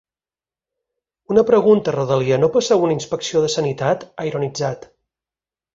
“Una pregunta, rodalia, no passeu una inspecció de sanitat?”, ha ironitzat.